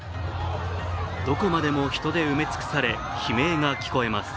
どこまでも人で埋め尽くされ悲鳴が聞こえます。